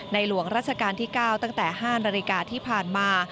หลวงราชการที่๙ตั้งแต่๕นาฬิกาที่ผ่านมา